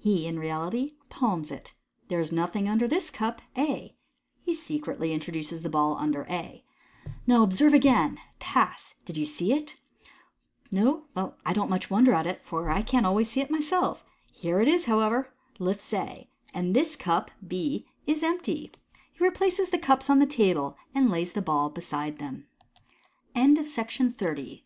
He in reality palms it. " There is nothing under this cup" (A). He secretly introduces the ball under A. u Now observe again. Pass ! Did you see it ? No ? well, I don't much wonder at it, for I can't always see it myself. Here it is, how ever " (lifts A), " and this cup (B) is empty." He replaces the cups on the table, and lays the ball beside them. Pass III.